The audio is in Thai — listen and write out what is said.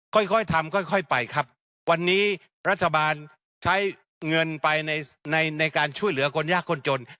ค่อยทำค่อยไปครับวันนี้รัฐบาลใช้เงินไปในในการช่วยเหลือคนยากคนจน